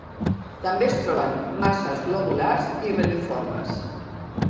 També es troben masses globulars i reniformes.